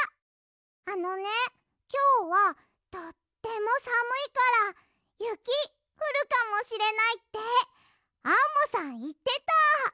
あのねきょうはとってもさむいからゆきふるかもしれないってアンモさんいってた！